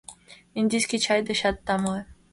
— Индийский чай дечат тамле.